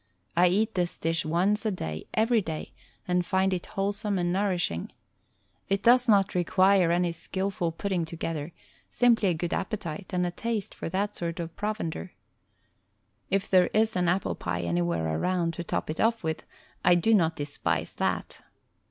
I eat this dish once a day every day and find it wholesome and nourishing. It does not require any skillful putting to gether, simply a good appetite and a taste for that sort of provender. If there is an apple pie an}rwhere around to top it off with, I do not despise that.